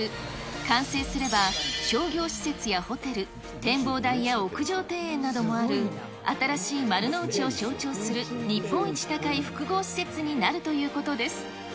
完成すれば商業施設やホテル、展望台や屋上庭園などもある、新しい丸の内を象徴する日本一高い複合施設になるということです。